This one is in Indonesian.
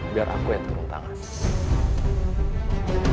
biar aku yang turun tangan